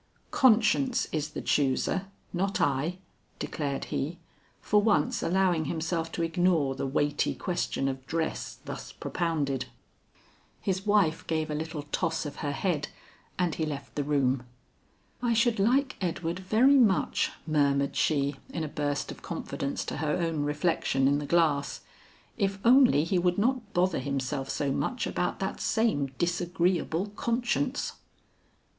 "Conscience is the chooser, not I," declared he, for once allowing himself to ignore the weighty question of dress thus propounded. His wife gave a little toss of her head and he left the room. "I should like Edward very much," murmured she in a burst of confidence to her own reflection in the glass, "if only he would not bother himself so much about that same disagreeable conscience."